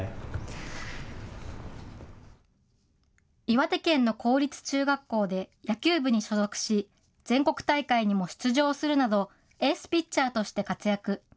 岩手県の公立中学校で野球部に所属し、全国大会にも出場するなど、エースピッチャーとして活躍。